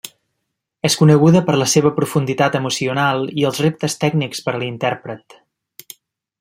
És coneguda per la seva profunditat emocional i els reptes tècnics per a l'intèrpret.